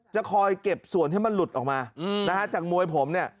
จะคอยเก็บส่วนให้มันหลุดออกมานะฮะจากมวยผมเนี่ย